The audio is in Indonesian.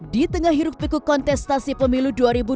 di tengah hiruk pikuk kontestasi pemilu dua ribu dua puluh